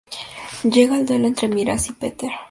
Llega el duelo entre Miraz y Peter.